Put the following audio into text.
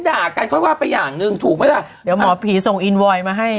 เดากันก็ว่าประหย่างนึงถูกไหมล่ะเดี๋ยวหมอผีส่งอินวอยด์สงครอง